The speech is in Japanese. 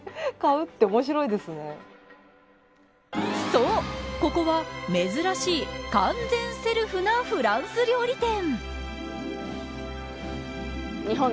そう、ここは珍しい完全セルフなフランス料理店。